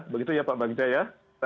begitu ya pak bang jaya